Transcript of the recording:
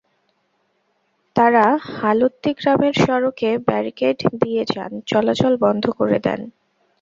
তাঁরা হালুত্তি গ্রামের সড়কে ব্যারিকেড দিয়ে যান চলাচল বন্ধ করে দেন।